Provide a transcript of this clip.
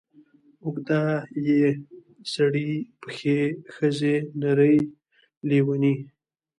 اوږده ې سړې پښې ښځې نرې لېونې